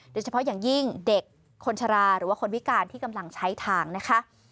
โดยเฉพาะอย่างยิ่งเด็กคนชะลาหรือว่าคนพิการที่กำลังใช้ทางนะคะ